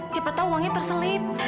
siapa tahu uangnya terselip